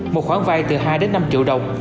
một khoản vay từ hai đến năm triệu đồng